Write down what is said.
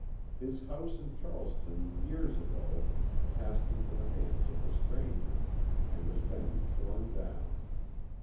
His house in Charleston years ago, passed into the hands of the stranger, and has been torn down.